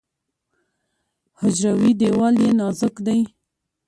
حجروي دیوال یې نازک دی.